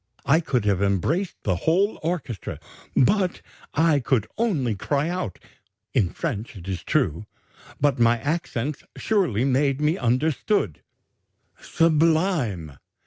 I could have embraced the whole orchestra, but I could only cry out, in French it is true, but my accents surely made me understood: 'Sublime!